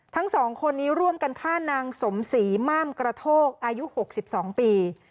ทั้งสองคนนี้ร่วมกันฆ่านางสมศรีม่ามกระโทกอายุ๖๒ปี